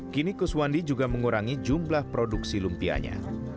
kini kuswandi juga mengurangi jumlah produksi lumpianya